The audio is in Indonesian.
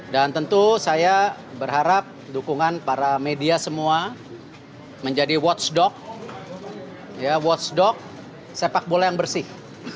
dan tentu saya berharap dukungan para media semua menjadi watchdog watchdog sepak bola yang bersih